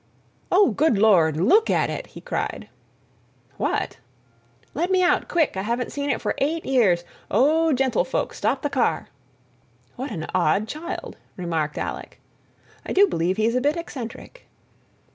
"Oh, good Lord! Look at it!" he cried. "What?" "Let me out, quick—I haven't seen it for eight years! Oh, gentlefolk, stop the car!" "What an odd child!" remarked Alec. "I do believe he's a bit eccentric."